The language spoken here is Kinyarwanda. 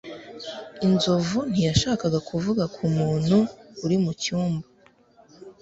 Inzovu ntiyashakaga kuvuga ku muntu uri mu cyumba.